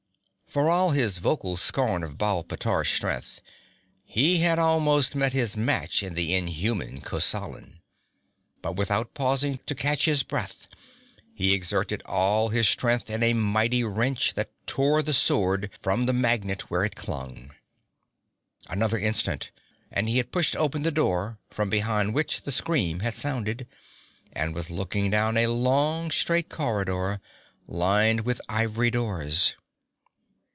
For all his vocal scorn of Baal pteor's strength, he had almost met his match in the inhuman Kosalan. But without pausing to catch his breath, he exerted all his strength in a mighty wrench that tore the sword from the magnet where it clung. Another instant and he had pushed open the door from behind which the scream had sounded, and was looking down a long straight corridor, lined with ivory doors.